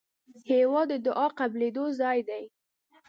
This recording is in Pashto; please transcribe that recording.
هېواد د دعا قبلېدو ځای دی.